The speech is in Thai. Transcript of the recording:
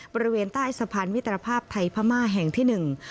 บริเวณใต้สะพานมิตรภาพไทยพม่าแห่งที่หนึ่ง